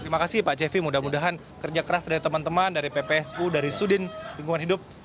terima kasih pak cevi mudah mudahan kerja keras dari teman teman dari ppsu dari sudin lingkungan hidup